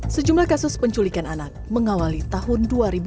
sejumlah kasus penculikan anak mengawali tahun dua ribu dua puluh